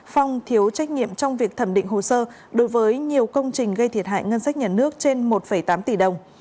phong thiếu trách nhiệm trong việc thẩm định hồ sơ đối với nhiều công trình gây thiệt hại ngân sách nhà nước trên một tám tỷ đồng